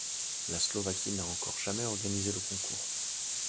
La Slovaquie n'a encore jamais organisé le concours.